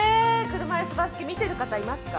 車いすバスケ見ている方いますか？